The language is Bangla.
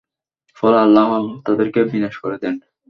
ফলে আল্লাহ তাদেরকে বিনাশ করে দেন।